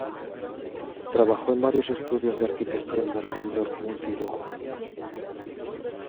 Trabajó en varios estudios de arquitectura en Berlín, Dortmund y Bochum.